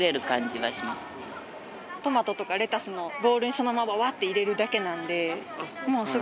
トマトとかレタスもボウルにそのままワーって入れるだけなんで。